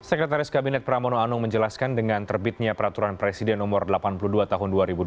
sekretaris kabinet pramono anung menjelaskan dengan terbitnya peraturan presiden nomor delapan puluh dua tahun dua ribu dua puluh